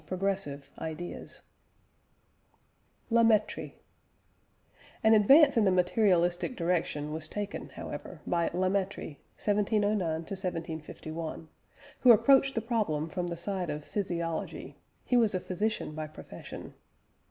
progressive) ideas. LA METTRIE. An advance in the materialistic direction was taken, however, by La Mettrie (1709 1751), who approached the problem from the side of physiology (he was a physician by profession).